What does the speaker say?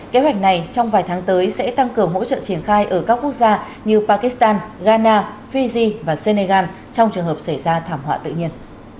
kế hoạch này trong vài tháng tới sẽ tăng cường hỗ trợ triển khai ở các quốc gia như pakistan ghana fiji và senegal trong trường hợp xảy ra thảm họa tự nhiên